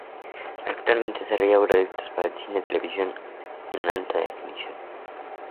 Actualmente desarrolla proyectos para cine y televisión en Alta Definición.